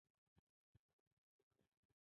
مرکه کېدونکی باید د خپل وخت په بدل کې حق واخلي.